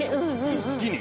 一気に。